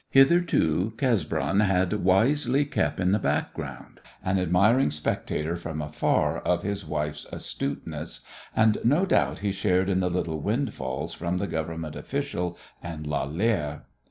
Hitherto Cesbron had wisely kept in the background, an admiring spectator from afar of his wife's astuteness, and no doubt he shared in the little windfalls from the Government official and Lalère.